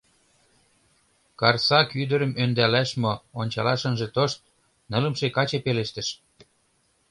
— Карсак ӱдырым ӧндалаш мо, ончалаш ынже тошт... — нылымше каче пелештыш.